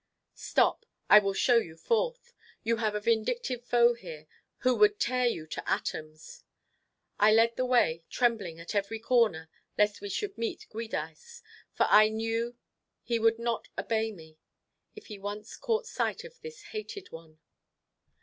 Stop; I will show you forth. You have a vindictive foe here, who would tear you to atoms." I led the way, trembling at every corner lest we should meet Giudice; for I knew he would not obey me, if he once caught sight of this hated one.